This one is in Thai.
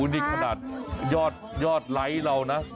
นี่ขนาดยอดไลค์เรานะ